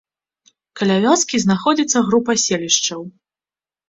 Каля вёскі знаходзіцца группа селішчаў.